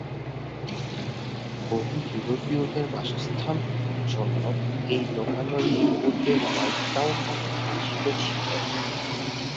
বহু ইউরোপীয়দের বাসস্থান হওয়ার জন্য এই লোকালয়টি পূর্বে হোয়াইট টাউন নামে পরিচিত ছিল।